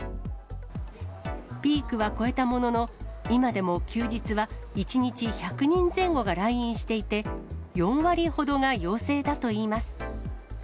ピークは越えたものの、今でも休日は１日１００人前後が来院していて、４割ほどが陽性だといいます。